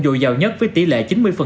dù giàu nhất với tỷ lệ chín mươi